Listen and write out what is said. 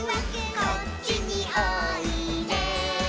「こっちにおいで」